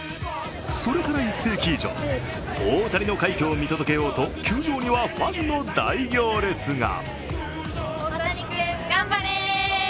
それから１世紀以上大谷の快挙を見届けようと球場にはファンの大行列が。